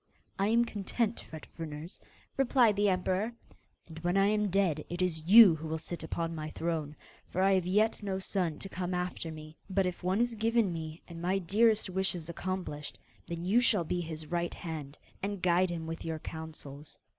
'I am content, Fet Fruners,' replied the emperor, 'and when I am dead it is you who will sit upon my throne; for I have yet no son to come after me. But if one is given me, and my dearest wish is accomplished, then you shall be his right hand, and guide him with your counsels.